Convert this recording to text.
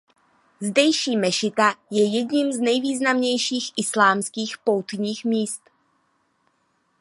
Zdejší mešita je jedním z nejvýznamnějších islámských poutních míst.